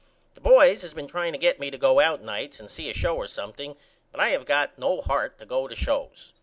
The boys has been trying to get me to go out nights and see a show or something but I have not got no heart to go to shows.